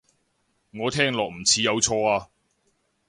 我聽落唔似有錯啊